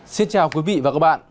xin chào quý vị và các bạn